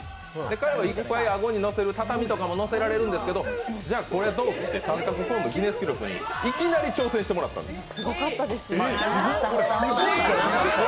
彼はいっぱい顎にいっぱいのせる、畳とかものせられるんですけど、じゃ、これはどう？って三角コーンギネス記録にいきなり挑戦してもらったんです。